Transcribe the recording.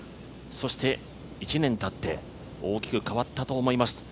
そして１年たって大きく変わったと思います。